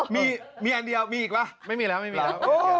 มีอันเดียวมีอีกป่ะไม่มีแล้วไม่มีแล้ว